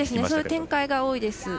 そういう展開が多いです。